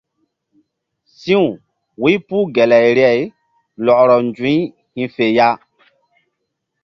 Si̧w wu̧ypuh gelayri lɔkrɔ nzu̧y hi̧ fe ya.